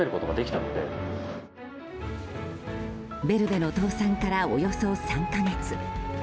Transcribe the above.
ベルベの倒産からおよそ３か月。